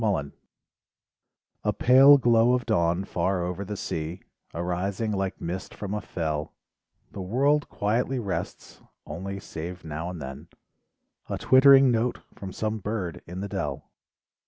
MORNING A pale glow of dawn far over the sea, Arising like mist from a fell, The world quietly rests; only save now and then. A twittering note from some bird in the dell.